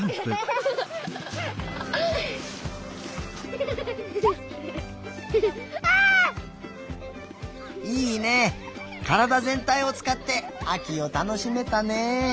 からだぜんたいをつかってあきをたのしめたね。